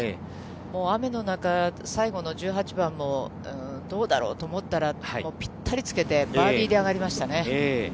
もう雨の中、最後の１８番もどうだろうと思ったら、ぴったりつけて、バーディーで上がりましたね。